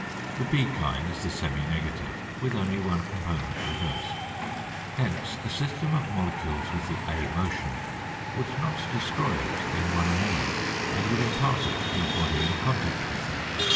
The B kind is the semi negative, with only one component reversed. Hence a system of molecules with the A motion would not destroy it in one another, and would impart it to a body in contact with them.